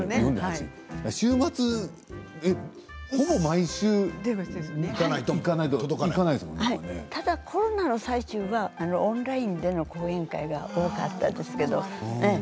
週末は、ほぼ毎週ただコロナの最中はオンラインでの講演会が多かったんです。